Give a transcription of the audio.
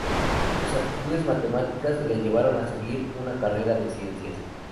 Sus aptitudes en matemáticas la llevaron a seguir una carrera de ciencias.